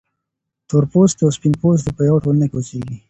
تورپوستي او سپین پوستي په یوه ټولنه کې اوسیږي.